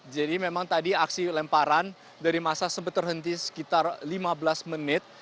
jadi memang tadi aksi lemparan dari masa sempat terhenti sekitar lima belas menit